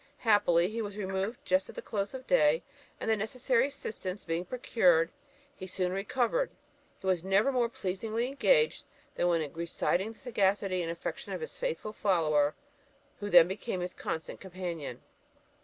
Happily he was removed just at the close of day; and the necessary assistance being procured, he soon recovered. He was never more pleasingly engaged than when reciting the sagacity and affection of his faithful follower, who then became his constant companion.